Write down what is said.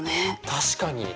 確かに。